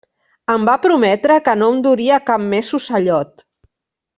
Em va prometre que no em duria cap més ocellot.